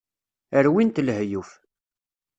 Rwin-t lehyuf.